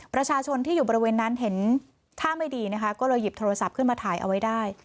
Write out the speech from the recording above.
ประชาชนที่อยู่บริเวณนั้นเห็นท่าไม่ดีนะคะก็เลยหยิบโทรศัพท์ขึ้นมาถ่ายเอาไว้ได้